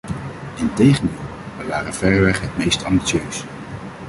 Integendeel, wij waren verreweg het meest ambitieus.